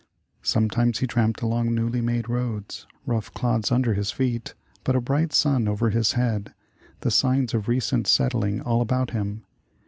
Sometimes he tramped along newly made roads, rough clods under his feet but a bright sun over his head, the signs of recent settling all about him.